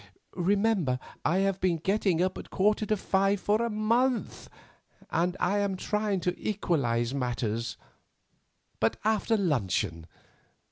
Remember I have been getting up at a quarter to five for a month, and I am trying to equalise matters; but after luncheon.